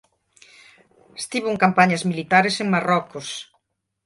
Estivo en campañas militares en Marrocos.